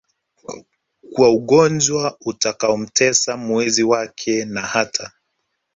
kuwa ugonjwa utakaomtesa mwenzi wake na hata